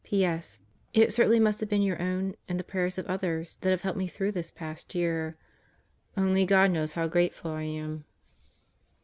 ... P.S. It certainly must have been your own and the prayers of others that have helped me through this past year. Only God knows how grateful I am.